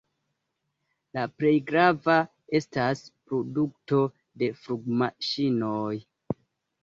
La plej grava estas produkto de flugmaŝinoj.